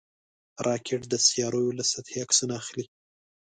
راکټ د سیارویو له سطحې عکسونه اخلي